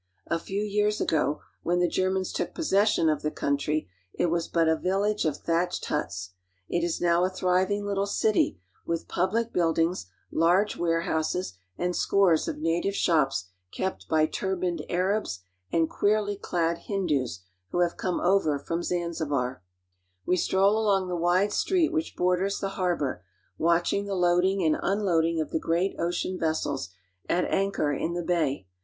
| A few years ago, when the Germans took possession of the ] country, it was but a village of thatched huts. It is now a thriving little city, with public buildings, large warehouses, and scores of native shops kept by turbaned Arabs and queerly clad Hindoos who have come over from Zanzibar. as6 AFRICA We stroll along the wide street which borders the har bor, watching the loading and unloading of the great ocean vessels at anchor in the bay.